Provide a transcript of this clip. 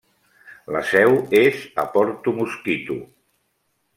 La seu és a Porto Mosquito.